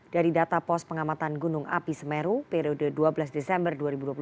dari data pos pengamatan gunung api semeru periode dua belas desember dua ribu dua puluh satu